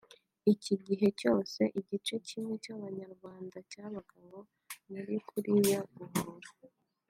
Iki gihe cyose igice kimwe cy’abanyarwanda cyabagabo muri kuriya Guhora